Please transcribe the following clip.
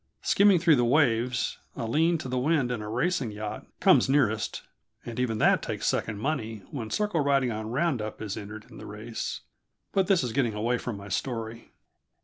Skimming through the waves, alean to the wind in a racing yacht, comes nearest, and even that takes second money when circle riding on round up is entered in the race. But this is getting away from my story.